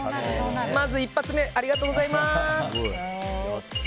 まず一発目ありがとうございます。